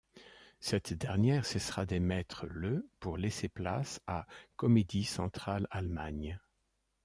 Cette dernière cessera d'émettre le pour laisser place à Comedy Central Allemagne.